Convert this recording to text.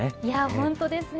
本当ですね。